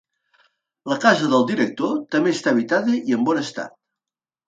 La casa del director també està habitada i en bon estat.